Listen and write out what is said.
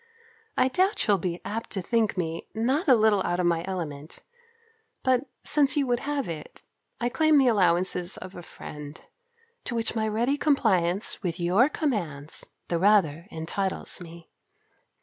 I doubt you'll be apt to think me not a little out of my element; but since you would have it, I claim the allowances of a friend; to which my ready compliance with your commands the rather entitles me.